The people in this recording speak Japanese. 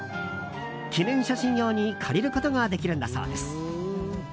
記念写真用に借りることができるんだそうです。